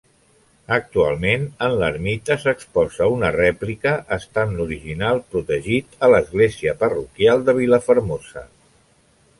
Actualment en l'ermita s'exposa una rèplica, estant l'original protegit a l'església parroquial de Vilafermosa.